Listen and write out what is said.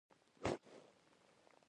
لومړی مسجد الحرام جوړ شوی دی.